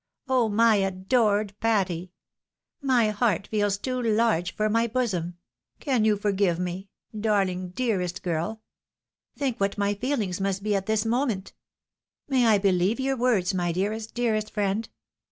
Oh! my adored Patty! My heart feels too large for my bosom. Can you forgive me? Darling, dearest girl ! Think what my feehngs must be at this moment ! May I believe your words, my dearest, dearest friend?